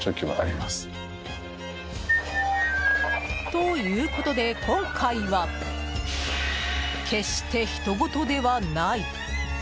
ということで、今回は決して、ひとごとではない。